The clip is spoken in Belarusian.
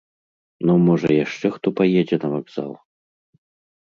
Ну, можа, яшчэ хто паедзе на вакзал.